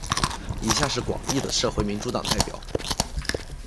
以下是广义的社会民主党列表。